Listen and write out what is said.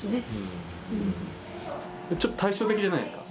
ちょっと対照的じゃないっすか？